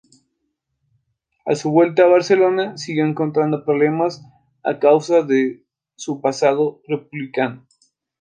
A su vuelta a Barcelona, siguió encontrando problemas a causa de su pasado republicano.